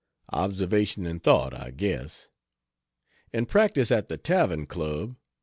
Observation and thought, I guess. And practice at the Tavern Club?